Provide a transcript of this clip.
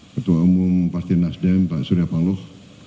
ketua umum pasti nasdem pak surya paloh